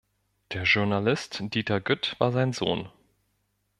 Der Journalist Dieter Gütt war sein Sohn.